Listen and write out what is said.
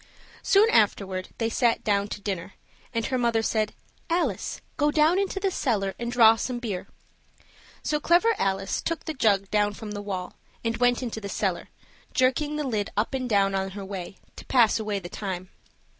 Soon afterward they sat down to dinner, and her mother said, "Alice, go down into the cellar and draw some beer." So Clever Alice took the jug down from the wall, and went into the cellar, jerking the lid up and down on her way, to pass away the time.